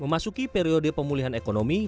memasuki periode pemulihan ekonomi